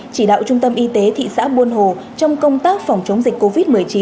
chỉ đạo trung tâm y tế thị xã buôn hồ trong công tác phòng chống dịch covid một mươi chín